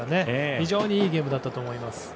非常にいいゲームだったと思います。